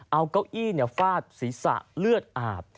เอาเก้าอี้ฟาดศีรษะเลือดอาบ